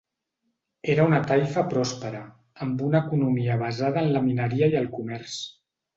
Era una taifa pròspera, amb una economia basada en la mineria i el comerç.